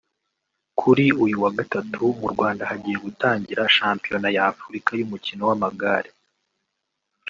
Kuri uyu wa Gatatu mu Rwanda hagiye gutangira Shampiona y’Afurka y’umukino w’amagare